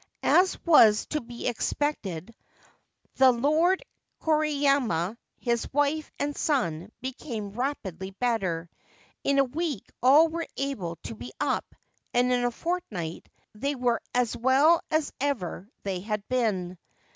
As was to be expected, the Lord Koriyama, his wife, and son became rapidly better. In a week all were able to be up, and in a fortnight they were as well as ever they had been.